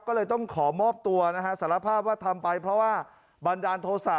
ก็เลยต้องขอมอบตัวนะฮะสารภาพว่าทำไปเพราะว่าบันดาลโทษะ